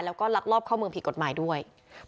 แล้วก็ลักลอบเข้าเมืองผิดกฎหมายด้วย